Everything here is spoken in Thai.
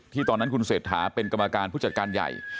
ตอนนั้นคุณเศรษฐาเป็นกรรมการผู้จัดการใหญ่